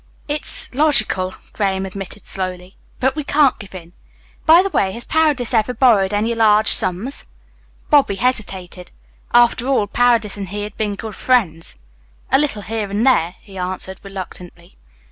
"It's logical," Graham admitted slowly, "but we can't give in. By the way, has Paredes ever borrowed any large sums?" Bobby hesitated. After all, Paredes and he had been good friends. "A little here and there," he answered reluctantly.